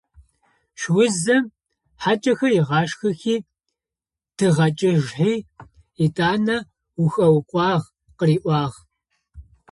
Шъузым хьакӏэхэр ыгъашхэхи, дигъэкӏыжьхи, етӏанэ «ухэукъуагъ!» къыриӏуагъ.